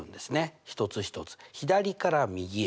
一つ一つ左から右へ。